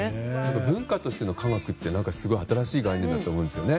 文化としての科学ってすごく新しい概念だと思うんですよね。